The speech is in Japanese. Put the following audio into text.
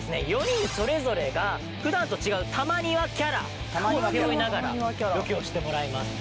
４人それぞれが普段と違うたまにわキャラを背負いながらロケをしてもらいます。